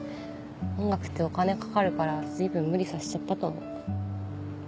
音楽ってお金かかるから随分無理させちゃったと思う。